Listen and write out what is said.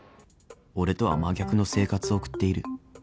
［俺とは真逆の生活を送っている］